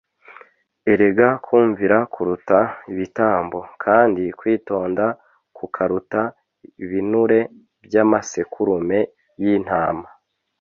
erega kumvira kuruta ibitambo, kandi kwitonda kukaruta ibinure by’amasekurume y’intama